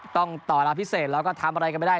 ต้องต่อเวลาพิเศษแล้วก็ทำอะไรกันไม่ได้